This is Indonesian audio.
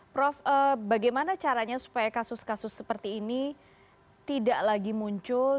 prof bagaimana caranya supaya kasus kasus seperti ini tidak lagi muncul